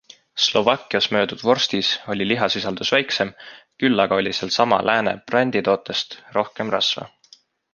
Slovakkias müüdud vorstis oli lihasisaldus väiksem, küll aga oli seal sama Lääne bränditootest rohkem rasva.